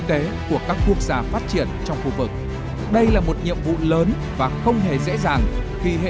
tế của các quốc gia phát triển trong khu vực đây là một nhiệm vụ lớn và không hề dễ dàng khi hệ